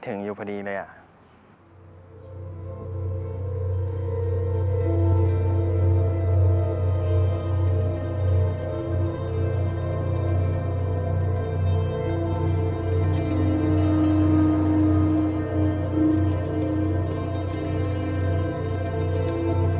ต้องคิดว่าอะไรรึเปล่า